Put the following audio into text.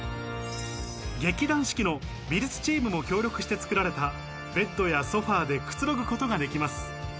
劇団四季の美術チームも協力し作られたベッドやソファでくつろぐことができます。